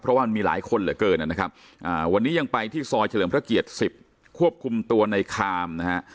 เพราะว่ามันมีหลายคนเหลือเกินนะครับวันนี้ยังไปที่ซอยเฉลิมพระเกียรติ๑๐ควบคุมตัวในคามนะฮะ